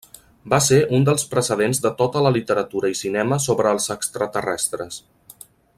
Va ser un dels precedents de tota la literatura i cinema sobre els extraterrestres.